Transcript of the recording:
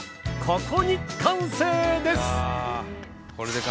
ここに完成です！